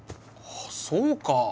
あそうか。